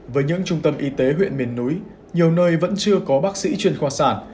với những trung tâm y tế huyện miền núi nhiều nơi vẫn chưa có bác sĩ chuyên khoa sản